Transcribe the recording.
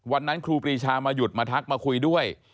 ครูปรีชามาหยุดมาทักมาคุยด้วย